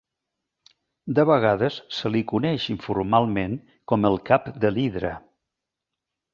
De vegades se li coneix informalment com el cap de l'hidra.